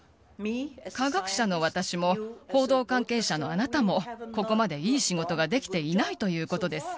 科学者の私も、報道関係者のあなたも、ここまでいい仕事ができていないということです。